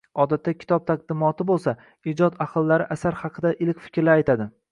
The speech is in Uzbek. Odatda, kitob taqdimoti bo‘lsa, ijod ahllari asar haqida iliq fikrlar aytadi.